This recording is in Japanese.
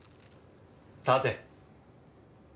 立て。